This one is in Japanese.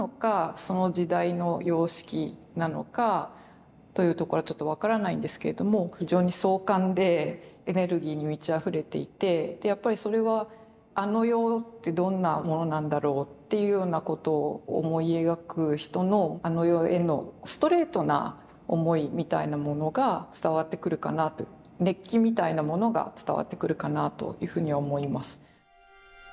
その時代の様式なのかというところはちょっと分からないんですけども非常に壮観でエネルギーに満ちあふれていてでやっぱりそれはあの世ってどんなものなんだろうっていうようなことを思い描く人のあの世へのストレートな思いみたいなものが伝わってくるかなと熱気みたいなものが伝わってくるかなというふうに思います。